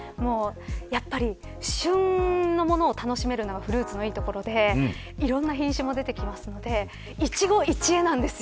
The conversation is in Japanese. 旬のものを楽しめるのがフルーツのいいところでいろんな品種も出てくるので一期一会なんです。